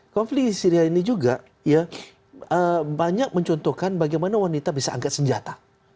konflik di syria ini juga ya banyak mencontohkan bagaimana wanita bisa angkat senjata